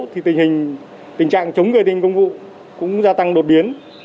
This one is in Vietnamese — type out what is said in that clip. tình trạng chống người thi hành công vụ cũng gia tăng đột biến